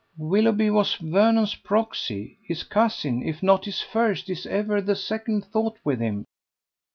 "Willoughby was Vernon's proxy. His cousin, if not his first, is ever the second thought with him."